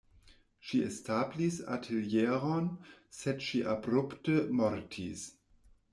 Ŝi establis atelieron, sed ŝi abrupte mortis.